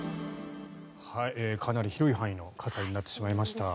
かなり広い範囲の火災になってしまいました。